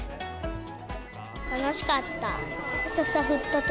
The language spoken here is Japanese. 楽しかった。